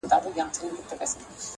چي لا ګرځې پر دنیا باندي ژوندی یې٫